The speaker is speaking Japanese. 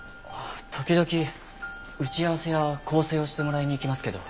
時々打ち合わせや校正をしてもらいに行きますけど。